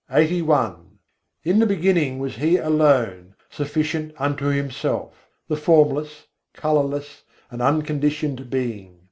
74. pratham ek jo âpai âp In the beginning was He alone, sufficient unto Himself: the formless, colourless, and unconditioned Being.